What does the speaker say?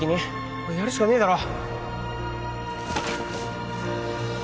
もうやるしかねえだろ